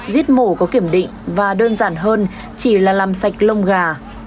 giết mổ có kiểm định và đơn giản hơn chỉ là làm sạch lông gà